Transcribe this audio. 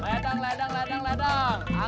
ledang ledang ledang ledang